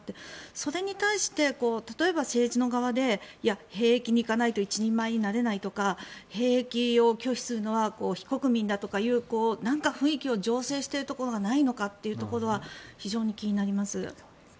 それに対して例えば、政治の側でいや、兵役に行かないと一人前になれないとか兵役を拒否するのは非国民だとかいう雰囲気を醸成しているところがないのかっていうところは非常に気になります。